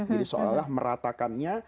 jadi seolah olah meratakannya